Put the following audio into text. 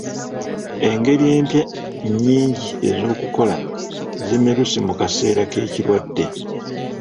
Engeri empya nnyingi ez'okukola zimeruse mu kaseera k'ekirwadde.